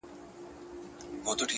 یو کړي ځان ستړی د ژوند پر لاره -